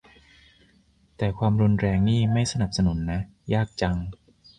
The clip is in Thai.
แต่ความรุนแรงนี่ไม่สนับสนุนนะ ยากจัง